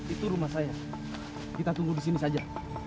itu rumah saya kita tunggu di sini saja